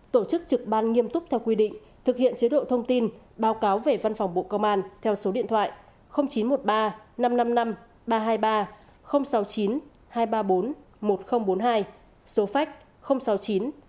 bốn tổ chức trực ban nghiêm túc theo quy định thực hiện chế độ thông tin báo cáo về văn phòng bộ công an theo số điện thoại chín trăm một mươi ba năm trăm năm mươi năm ba trăm hai mươi ba sáu mươi chín hai trăm ba mươi bốn một nghìn bốn mươi hai số phách sáu mươi chín hai trăm ba mươi bốn một nghìn bốn mươi hai